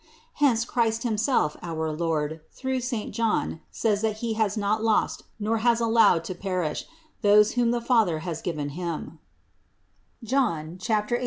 Hence, Christ himself, our Lord, through saint John says that He has not lost nor has allowed to perish, those whom the Father had given him (John 18, 9).